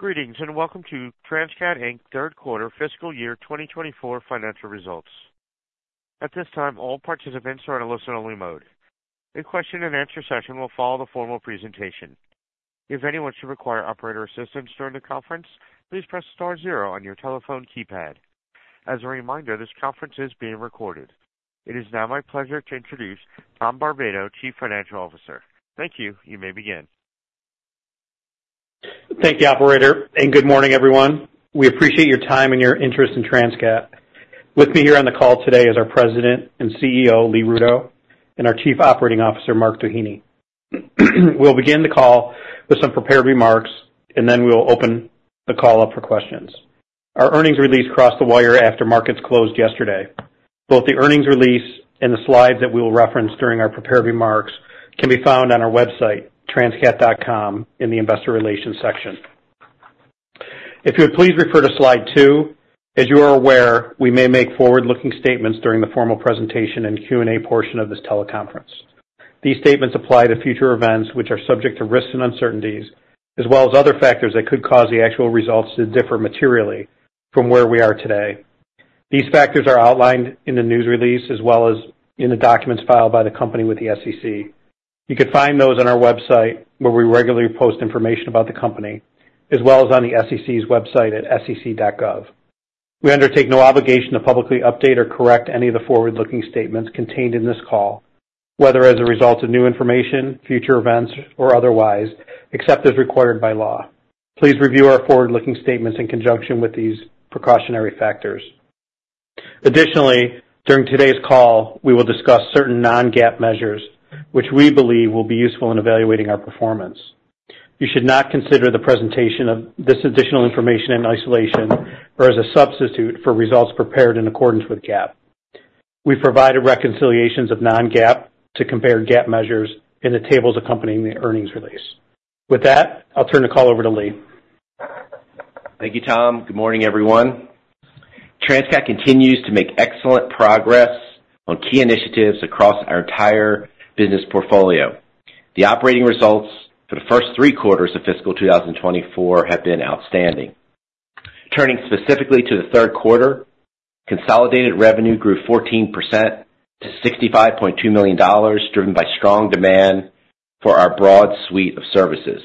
Greetings, and welcome to Transcat, Inc.'s third quarter fiscal year 2024 financial results. At this time, all participants are in a listen-only mode. A question and answer session will follow the formal presentation. If anyone should require operator assistance during the conference, please press star zero on your telephone keypad. As a reminder, this conference is being recorded. It is now my pleasure to introduce Tom Barbato, Chief Financial Officer. Thank you. You may begin. Thank you, operator, and good morning, everyone. We appreciate your time and your interest in Transcat. With me here on the call today is our President and CEO, Lee Rudow, and our Chief Operating Officer, Mark Doheny. We'll begin the call with some prepared remarks, and then we'll open the call up for questions. Our earnings release crossed the wire after markets closed yesterday. Both the earnings release and the slides that we'll reference during our prepared remarks can be found on our website, transcat.com, in the Investor Relations section. If you would please refer to Slide two. As you are aware, we may make forward-looking statements during the formal presentation and Q&A portion of this teleconference. These statements apply to future events, which are subject to risks and uncertainties, as well as other factors that could cause the actual results to differ materially from where we are today. These factors are outlined in the news release as well as in the documents filed by the company with the SEC. You can find those on our website, where we regularly post information about the company, as well as on the SEC's website at sec.gov. We undertake no obligation to publicly update or correct any of the forward-looking statements contained in this call, whether as a result of new information, future events, or otherwise, except as required by law. Please review our forward-looking statements in conjunction with these precautionary factors. Additionally, during today's call, we will discuss certain non-GAAP measures, which we believe will be useful in evaluating our performance. You should not consider the presentation of this additional information in isolation or as a substitute for results prepared in accordance with GAAP. We've provided reconciliations of non-GAAP to compare GAAP measures in the tables accompanying the earnings release. With that, I'll turn the call over to Lee. Thank you, Tom. Good morning, everyone. Transcat continues to make excellent progress on key initiatives across our entire business portfolio. The operating results for the first three quarters of fiscal 2024 have been outstanding. Turning specifically to the third quarter, consolidated revenue grew 14% to $65.2 million, driven by strong demand for our broad suite of services.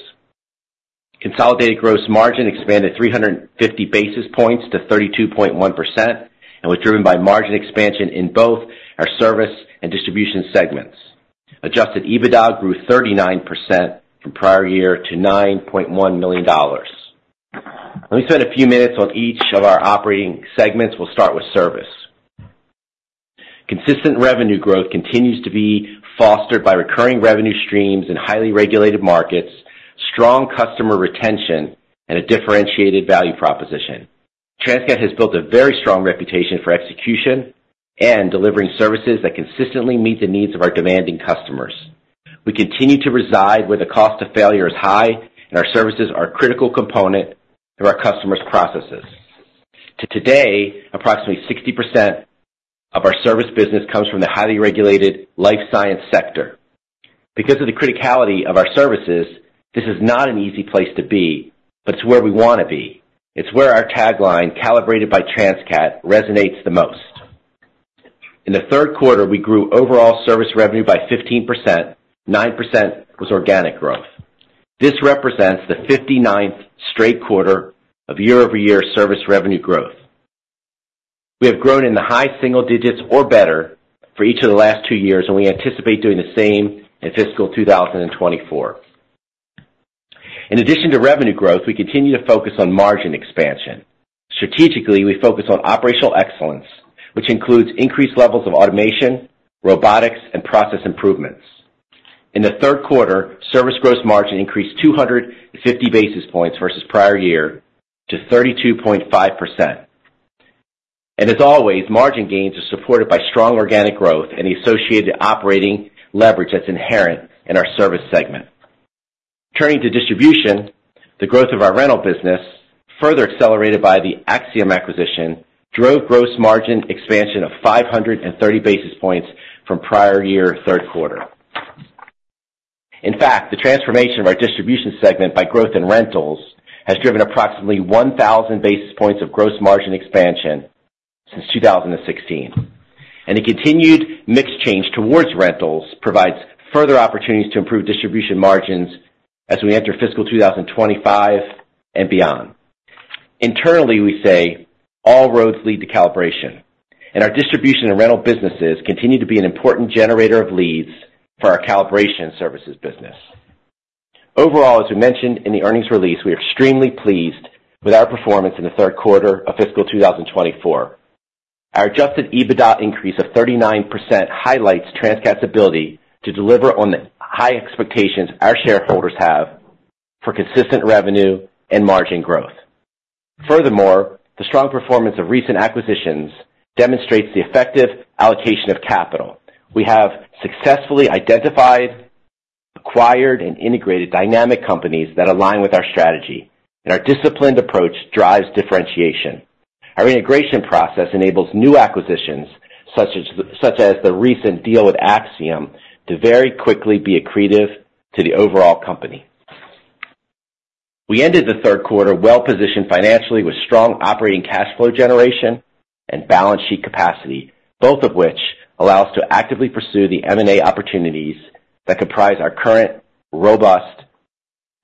Consolidated gross margin expanded 350 basis points to 32.1% and was driven by margin expansion in both our service and distribution segments. Adjusted EBITDA grew 39% from prior year to $9.1 million. Let me spend a few minutes on each of our operating segments. We'll start with service. Consistent revenue growth continues to be fostered by recurring revenue streams in highly regulated markets, strong customer retention, and a differentiated value proposition. Transcat has built a very strong reputation for execution and delivering services that consistently meet the needs of our demanding customers. We continue to reside where the cost of failure is high, and our services are a critical component through our customers' processes. To date, approximately 60% of our service business comes from the highly regulated life science sector. Because of the criticality of our services, this is not an easy place to be, but it's where we want to be. It's where our tagline, "Calibrated by Transcat," resonates the most. In the third quarter, we grew overall service revenue by 15%. 9% was organic growth. This represents the 59th straight quarter of year-over-year service revenue growth. We have grown in the high single digits or better for each of the last two years, and we anticipate doing the same in fiscal 2024. In addition to revenue growth, we continue to focus on margin expansion. Strategically, we focus on operational excellence, which includes increased levels of automation, robotics, and process improvements. In the third quarter, service gross margin increased 250 basis points versus prior year to 32.5%. As always, margin gains are supported by strong organic growth and the associated operating leverage that's inherent in our service segment. Turning to distribution, the growth of our rental business, further accelerated by the Axiom acquisition, drove gross margin expansion of 530 basis points from prior-year third quarter. In fact, the transformation of our distribution segment by growth in rentals has driven approximately 1,000 basis points of gross margin expansion since 2016. The continued mix change towards rentals provides further opportunities to improve distribution margins as we enter fiscal 2025 and beyond. Internally, we say, "All roads lead to calibration," and our distribution and rental businesses continue to be an important generator of leads for our calibration services business. Overall, as we mentioned in the earnings release, we are extremely pleased with our performance in the third quarter of fiscal 2024. Our Adjusted EBITDA increase of 39% highlights Transcat's ability to deliver on the high expectations our shareholders have for consistent revenue and margin growth. Furthermore, the strong performance of recent acquisitions demonstrates the effective allocation of capital. We have successfully identified, acquired, and integrated dynamic companies that align with our strategy, and our disciplined approach drives differentiation. Our integration process enables new acquisitions, such as the recent deal with Axiom, to very quickly be accretive to the overall company. We ended the third quarter well-positioned financially, with strong operating cash flow generation and balance sheet capacity, both of which allow us to actively pursue the M&A opportunities that comprise our current robust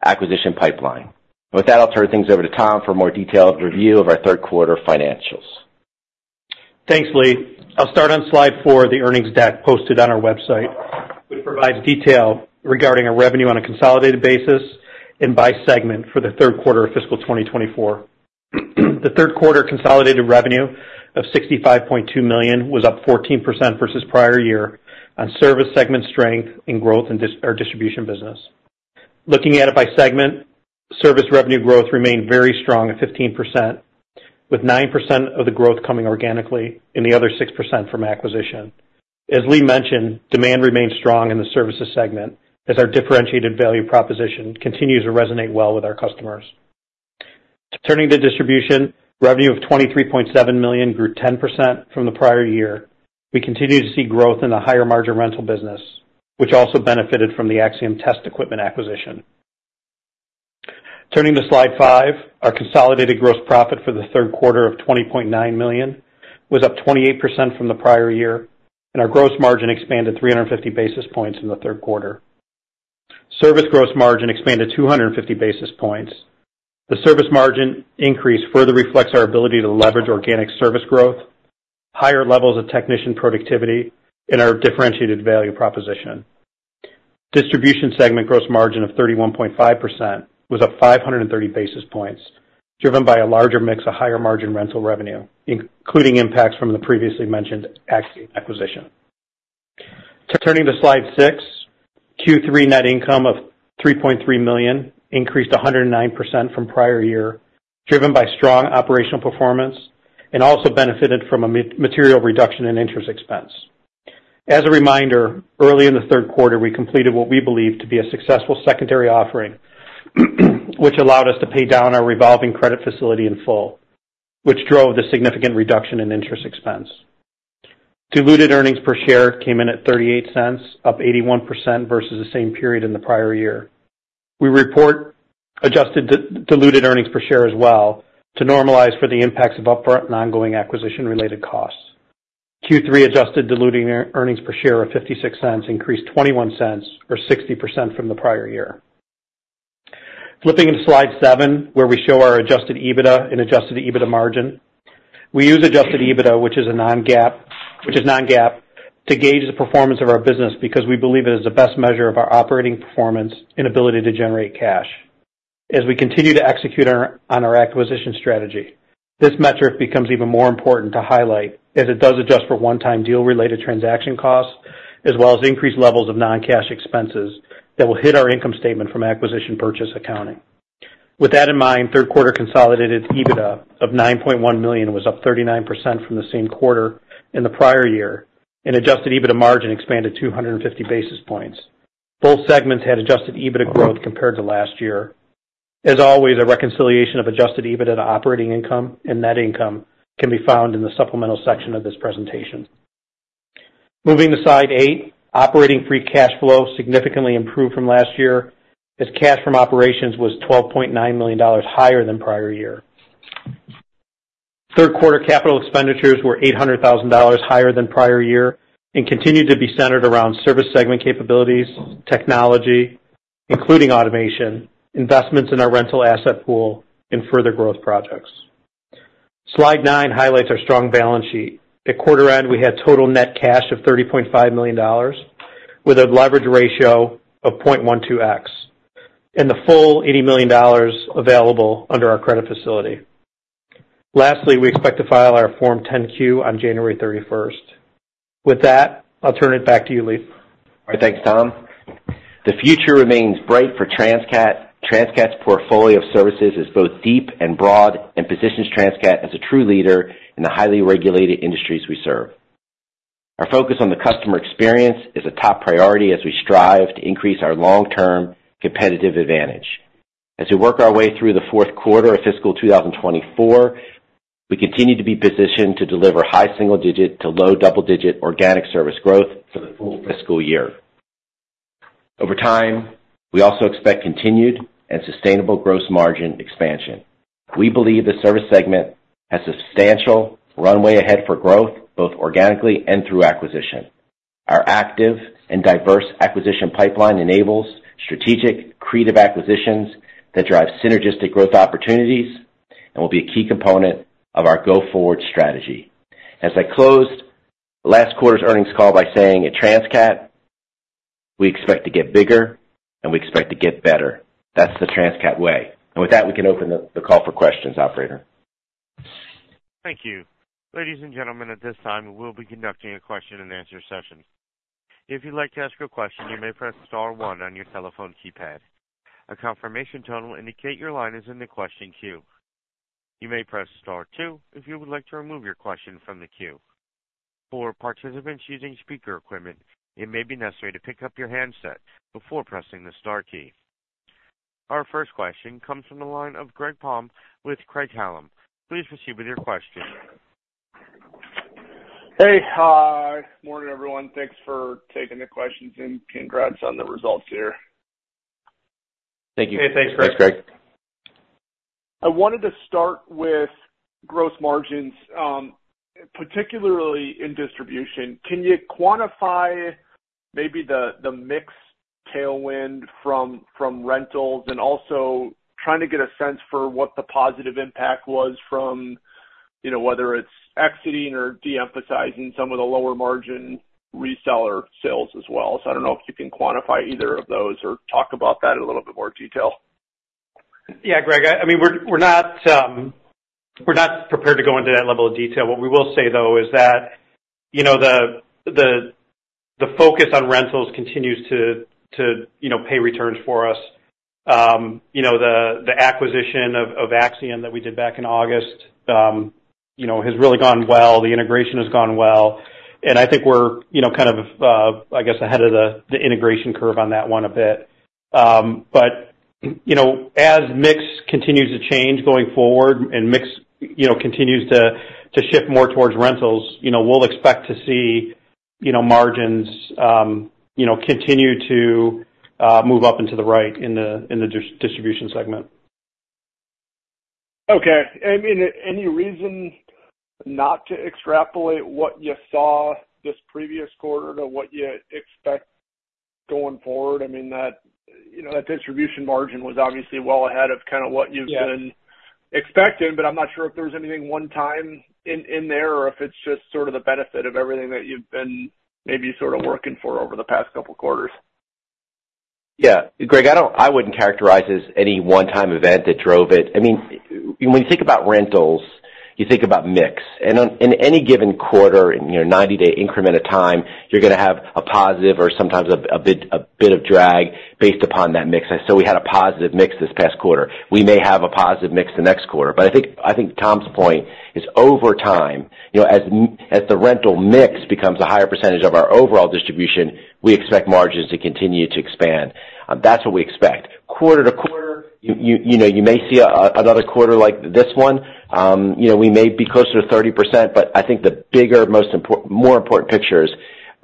acquisition pipeline. With that, I'll turn things over to Tom for a more detailed review of our third quarter financials. Thanks, Lee. I'll start on slide four of the earnings deck posted on our website, which provides detail regarding our revenue on a consolidated basis and by segment for the third quarter of fiscal 2024. The third quarter consolidated revenue of $65.2 million was up 14% versus prior year on service segment strength and growth in our distribution business. Looking at it by segment, service revenue growth remained very strong at 15%, with 9% of the growth coming organically and the other 6% from acquisition. As Lee mentioned, demand remains strong in the services segment as our differentiated value proposition continues to resonate well with our customers. Turning to distribution, revenue of $23.7 million grew 10% from the prior year. We continue to see growth in the higher margin rental business, which also benefited from the Axiom Test Equipment acquisition. Turning to slide five, our consolidated gross profit for the third quarter of $20.9 million was up 28% from the prior year, and our gross margin expanded 350 basis points in the third quarter. Service gross margin expanded 250 basis points. The service margin increase further reflects our ability to leverage organic service growth, higher levels of technician productivity, and our differentiated value proposition. Distribution segment gross margin of 31.5% was up 530 basis points, driven by a larger mix of higher margin rental revenue, including impacts from the previously mentioned Axiom Test Equipment acquisition. Turning to slide six, Q3 net income of $3.3 million increased 109% from prior year, driven by strong operational performance and also benefited from a material reduction in interest expense. As a reminder, early in the third quarter, we completed what we believe to be a successful secondary offering, which allowed us to pay down our revolving credit facility in full, which drove the significant reduction in interest expense. Diluted earnings per share came in at $0.38, up 81% versus the same period in the prior year. We report adjusted diluted earnings per share as well to normalize for the impacts of upfront and ongoing acquisition-related costs. Q3 adjusted diluted earnings per share of $0.56 increased $0.21, or 60%, from the prior year. Flipping to slide seven, where we show our Adjusted EBITDA and Adjusted EBITDA margin. We use Adjusted EBITDA, which is non-GAAP, to gauge the performance of our business because we believe it is the best measure of our operating performance and ability to generate cash. As we continue to execute our acquisition strategy, this metric becomes even more important to highlight, as it does adjust for one-time deal-related transaction costs, as well as increased levels of non-cash expenses that will hit our income statement from acquisition purchase accounting. With that in mind, third quarter consolidated EBITDA of $9.1 million was up 39% from the same quarter in the prior year, and adjusted EBITDA margin expanded 250 basis points. Both segments had adjusted EBITDA growth compared to last year. As always, a reconciliation of adjusted EBITDA to operating income and net income can be found in the supplemental section of this presentation. Moving to slide eight, operating free cash flow significantly improved from last year, as cash from operations was $12.9 million higher than prior year. Third quarter capital expenditures were $800,000 higher than prior year and continued to be centered around service segment capabilities, technology, including automation, investments in our rental asset pool and further growth projects. Slide nine highlights our strong balance sheet. At quarter end, we had total net cash of $30.5 million, with a leverage ratio of 0.12x, and the full $80 million available under our credit facility. Lastly, we expect to file our Form 10-Q on January 31st. With that, I'll turn it back to you, Lee. All right. Thanks, Tom. The future remains bright for Transcat. Transcat's portfolio of services is both deep and broad and positions Transcat as a true leader in the highly regulated industries we serve. Our focus on the customer experience is a top priority as we strive to increase our long-term competitive advantage. As we work our way through the fourth quarter of fiscal 2024, we continue to be positioned to deliver high single-digit to low double-digit organic service growth for the full fiscal year. Over time, we also expect continued and sustainable gross margin expansion. We believe the service segment has substantial runway ahead for growth, both organically and through acquisition. Our active and diverse acquisition pipeline enables strategic, accretive acquisitions that drive synergistic growth opportunities and will be a key component of our go-forward strategy. As I closed last quarter's earnings call by saying, "At Transcat, we expect to get bigger, and we expect to get better." That's the Transcat way. And with that, we can open the call for questions, operator. Thank you. Ladies and gentlemen, at this time, we'll be conducting a question-and-answer session. If you'd like to ask a question, you may press star one on your telephone keypad. A confirmation tone will indicate your line is in the question queue. You may press star two if you would like to remove your question from the queue. For participants using speaker equipment, it may be necessary to pick up your handset before pressing the star key… Our first question comes from the line of Greg Palm with Craig-Hallum. Please proceed with your question. Hey, hi, morning, everyone. Thanks for taking the questions, and congrats on the results here. Thank you. Hey, thanks, Greg. Thanks, Greg. I wanted to start with gross margins, particularly in distribution. Can you quantify maybe the mix tailwind from rentals, and also trying to get a sense for what the positive impact was from, you know, whether it's exiting or de-emphasizing some of the lower margin reseller sales as well? I don't know if you can quantify either of those or talk about that in a little bit more detail. Yeah, Greg, I mean, we're not prepared to go into that level of detail. What we will say, though, is that, you know, the focus on rentals continues to, you know, pay returns for us. You know, the acquisition of Axiom that we did back in August, you know, has really gone well. The integration has gone well, and I think we're, you know, kind of, I guess, ahead of the integration curve on that one a bit. But, you know, as mix continues to change going forward and mix, you know, continues to shift more towards rentals, you know, we'll expect to see, you know, margins, you know, continue to move up into the right in the distribution segment. Okay. And, I mean, any reason not to extrapolate what you saw this previous quarter to what you expect going forward? I mean, that, you know, that distribution margin was obviously well ahead of kind of what you've been- Yes -expecting, but I'm not sure if there was anything one time in there, or if it's just sort of the benefit of everything that you've been maybe sort of working for over the past couple quarters. Yeah. Greg, I don't, I wouldn't characterize this any one-time event that drove it. I mean, when you think about rentals, you think about mix, and in any given quarter, in your 90-day increment of time, you're gonna have a positive or sometimes a bit of drag based upon that mix. And so we had a positive mix this past quarter. We may have a positive mix the next quarter, but I think Tom's point is over time, you know, as the rental mix becomes a higher percentage of our overall distribution, we expect margins to continue to expand. That's what we expect. Quarter to quarter, you know, you may see another quarter like this one. You know, we may be closer to 30%, but I think the bigger, most import... more important picture is,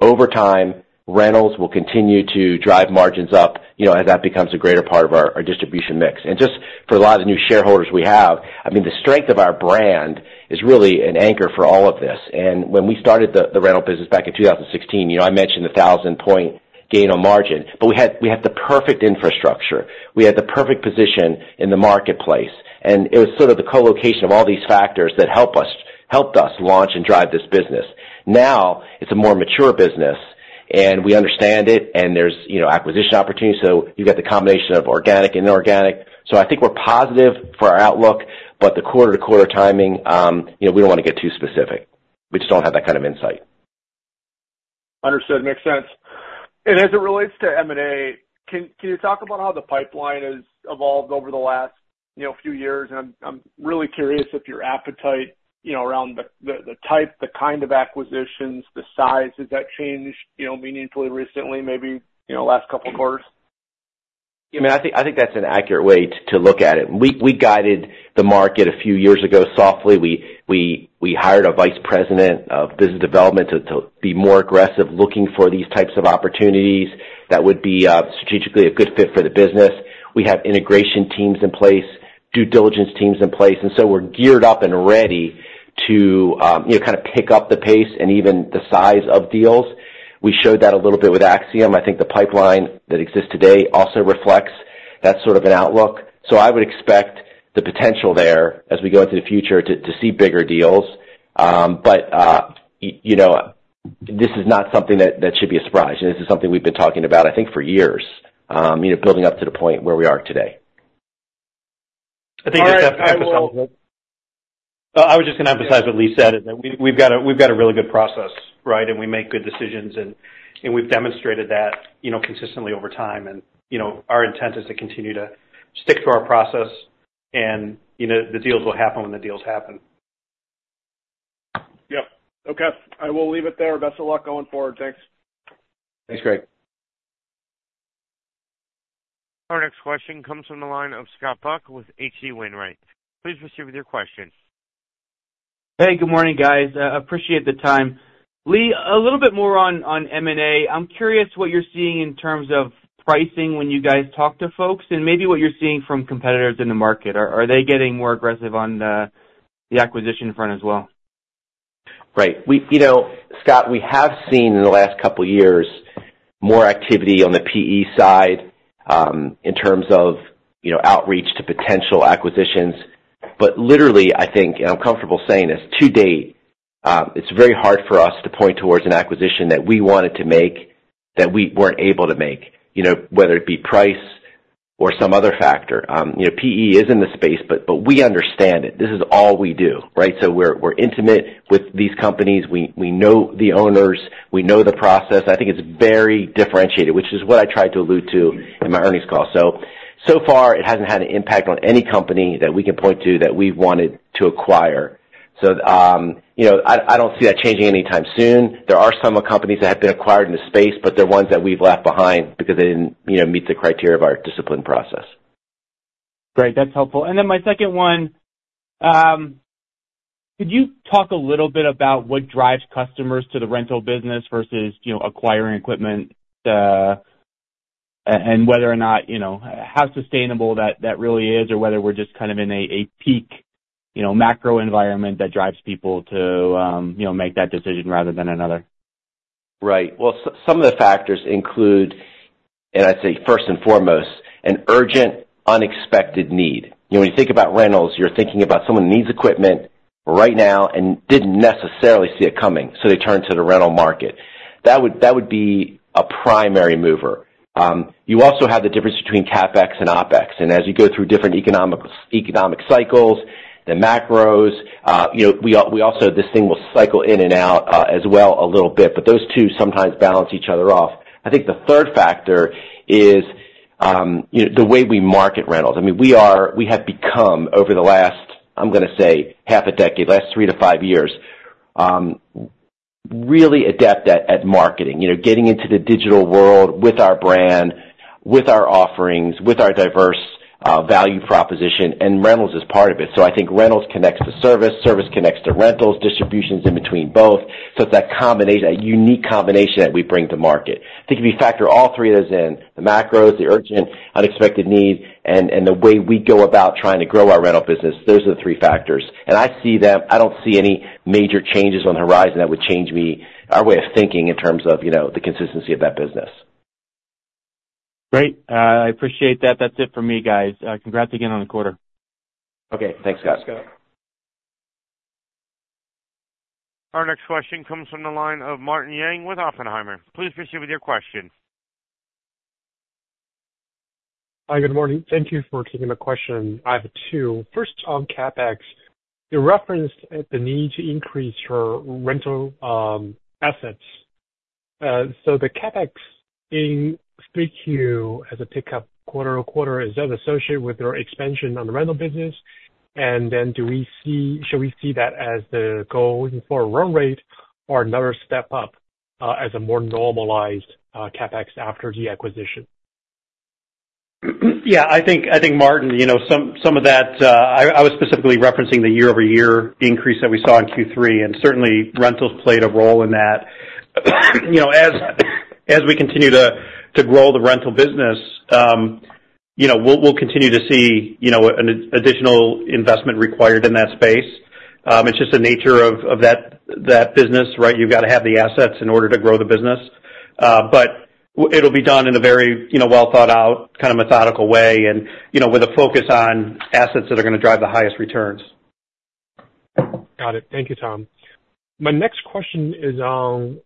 over time, rentals will continue to drive margins up, you know, as that becomes a greater part of our, our distribution mix. And just for a lot of the new shareholders we have, I mean, the strength of our brand is really an anchor for all of this. And when we started the, the rental business back in 2016, you know, I mentioned the 1,000-point gain on margin, but we had, we had the perfect infrastructure. We had the perfect position in the marketplace, and it was sort of the co-location of all these factors that help us- helped us launch and drive this business. Now, it's a more mature business, and we understand it, and there's, you know, acquisition opportunities, so you've got the combination of organic and inorganic. I think we're positive for our outlook, but the quarter-to-quarter timing, you know, we don't want to get too specific. We just don't have that kind of insight. Understood. Makes sense. As it relates to M&A, can you talk about how the pipeline has evolved over the last, you know, few years? I'm really curious if your appetite, you know, around the type, the kind of acquisitions, the size, has that changed, you know, meaningfully recently, maybe, you know, last couple quarters? Yeah, I mean, I think, I think that's an accurate way to, to look at it. We, we guided the market a few years ago softly. We, we, we hired a vice president of business development to, to be more aggressive, looking for these types of opportunities that would be strategically a good fit for the business. We have integration teams in place, due diligence teams in place, and so we're geared up and ready to you know, kind of pick up the pace and even the size of deals. We showed that a little bit with Axiom. I think the pipeline that exists today also reflects that sort of an outlook. So I would expect the potential there as we go into the future to, to see bigger deals. But, you know, this is not something that should be a surprise, and this is something we've been talking about, I think, for years, you know, building up to the point where we are today. I think just to emphasize- I will- I was just gonna emphasize what Lee said, is that we've got a really good process, right? And we make good decisions, and we've demonstrated that, you know, consistently over time. And, you know, our intent is to continue to stick to our process, and, you know, the deals will happen when the deals happen. Yep. Okay, I will leave it there. Best of luck going forward. Thanks. Thanks, Greg. Our next question comes from the line of Scott Buck with H.C. Wainwright. Please proceed with your question. Hey, good morning, guys. Appreciate the time. Lee, a little bit more on M&A. I'm curious what you're seeing in terms of pricing when you guys talk to folks, and maybe what you're seeing from competitors in the market. Are they getting more aggressive on the acquisition front as well? Right. We, you know, Scott, we have seen in the last couple years, more activity on the PE side, in terms of, you know, outreach to potential acquisitions. But literally, I think, and I'm comfortable saying this, to date, it's very hard for us to point towards an acquisition that we wanted to make, that we weren't able to make, you know, whether it be price or some other factor. You know, PE is in the space, but, but we understand it. This is all we do, right? So we're, we're intimate with these companies. We, we know the owners, we know the process. I think it's very differentiated, which is what I tried to allude to in my earnings call. So, so far, it hasn't had an impact on any company that we can point to that we wanted to acquire.... So, you know, I don't see that changing anytime soon. There are some companies that have been acquired in the space, but they're ones that we've left behind because they didn't, you know, meet the criteria of our discipline process. Great. That's helpful. And then my second one, could you talk a little bit about what drives customers to the rental business versus, you know, acquiring equipment, and whether or not, you know, how sustainable that, that really is, or whether we're just kind of in a peak, you know, macro environment that drives people to, you know, make that decision rather than another? Right. Well, some of the factors include, and I'd say first and foremost, an urgent, unexpected need. You know, when you think about rentals, you're thinking about someone needs equipment right now and didn't necessarily see it coming, so they turn to the rental market. That would be a primary mover. You also have the difference between CapEx and OpEx, and as you go through different economic cycles, the macros, you know, we also, this thing will cycle in and out, as well a little bit, but those two sometimes balance each other off. I think the third factor is, you know, the way we market rentals. I mean, we have become, over the last, I'm gonna say, half a decade, three to five years, really adept at marketing. You know, getting into the digital world with our brand, with our offerings, with our diverse value proposition, and rentals is part of it. So I think rentals connects to service, service connects to rentals, distributions in between both. So it's that combination, a unique combination that we bring to market. I think if you factor all three of those in, the macros, the urgent, unexpected needs, and the way we go about trying to grow our rental business, those are the three factors. And I see them... I don't see any major changes on the horizon that would change me, our way of thinking in terms of, you know, the consistency of that business. Great. I appreciate that. That's it for me, guys. Congrats again on the quarter. Okay. Thanks, Scott. Our next question comes from the line of Martin Yang with Oppenheimer. Please proceed with your question. Hi, good morning. Thank you for taking the question. I have two. First, on CapEx, you referenced the need to increase your rental assets. So the CapEx in 3Q as a pickup quarter-over-quarter, is that associated with your expansion on the rental business? And then should we see that as the going forward run rate or another step up, as a more normalized CapEx after the acquisition? Yeah, I think, Martin, you know, some of that, I was specifically referencing the year-over-year increase that we saw in Q3, and certainly rentals played a role in that. You know, as we continue to grow the rental business, you know, we'll continue to see, you know, an additional investment required in that space. It's just the nature of that business, right? You've got to have the assets in order to grow the business. But it'll be done in a very, you know, well-thought-out, kind of methodical way and, you know, with a focus on assets that are gonna drive the highest returns. Got it. Thank you, Tom. My next question is on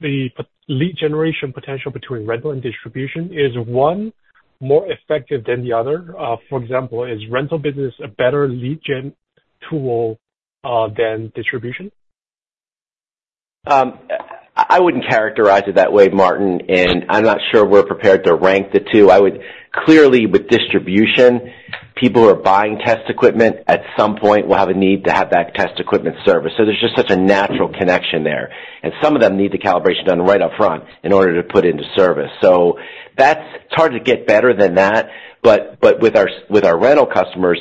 the lead generation potential between rental and distribution. Is one more effective than the other? For example, is rental business a better lead gen tool than distribution? I wouldn't characterize it that way, Martin, and I'm not sure we're prepared to rank the two. I would... Clearly, with distribution, people who are buying test equipment at some point will have a need to have that test equipment serviced. So there's just such a natural connection there. And some of them need the calibration done right up front in order to put it into service. So that's, it's hard to get better than that, but with our rental customers,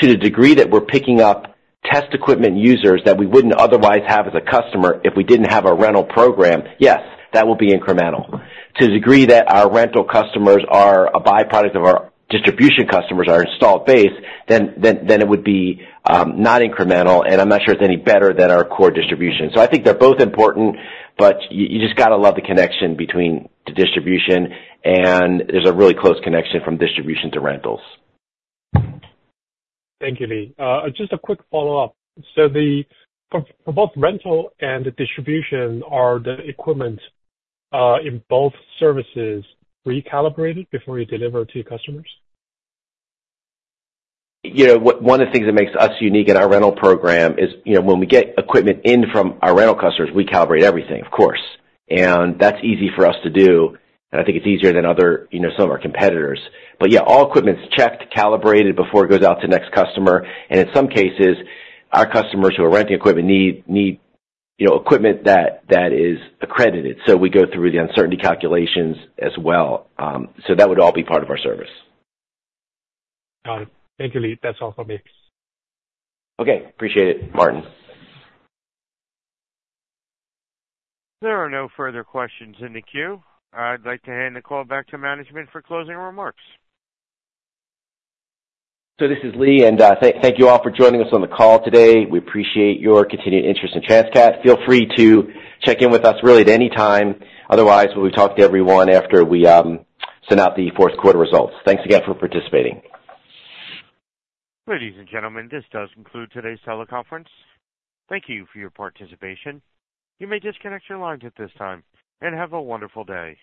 to the degree that we're picking up test equipment users that we wouldn't otherwise have as a customer if we didn't have a rental program, yes, that will be incremental. To the degree that our rental customers are a byproduct of our distribution customers, our installed base, then it would be not incremental, and I'm not sure it's any better than our core distribution. So I think they're both important, but you just got to love the connection between the distribution, and there's a really close connection from distribution to rentals. Thank you, Lee. Just a quick follow-up: So for both rental and distribution, are the equipment in both services recalibrated before you deliver to your customers? You know, one of the things that makes us unique in our rental program is, you know, when we get equipment in from our rental customers, we calibrate everything, of course. And that's easy for us to do, and I think it's easier than other, you know, some of our competitors. But yeah, all equipment's checked, calibrated before it goes out to the next customer. And in some cases, our customers who are renting equipment need, you know, equipment that is accredited. So we go through the uncertainty calculations as well. So that would all be part of our service. Got it. Thank you, Lee. That's all for me. Okay, appreciate it, Martin. There are no further questions in the queue. I'd like to hand the call back to management for closing remarks. So this is Lee, and thank you all for joining us on the call today. We appreciate your continued interest in Transcat. Feel free to check in with us, really, at any time. Otherwise, we'll talk to everyone after we send out the fourth quarter results. Thanks again for participating. Ladies and gentlemen, this does conclude today's teleconference. Thank you for your participation. You may disconnect your lines at this time, and have a wonderful day.